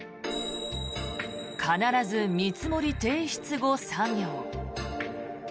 必ず見積もり提出後作業